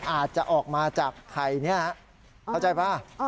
อาจจะออกมาจากไข่นี้นะเข้าใจป่ะ